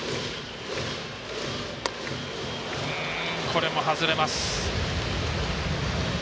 これも外れます。